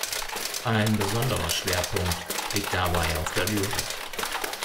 Ein besonderer Schwerpunkt liegt dabei auf der Lyrik.